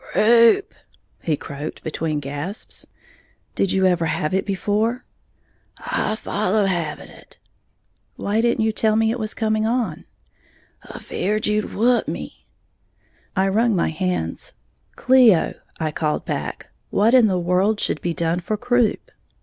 "Croup," he croaked, between gasps. "Did you ever have it before?" "I follow havin' it." "Why didn't you tell me it was coming on?" "Afeared you'd whup me." I wrung my hands. "Cleo," I called back, "what in the world should be done for croup?"